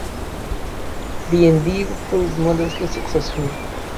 The endeavor proved modestly successful.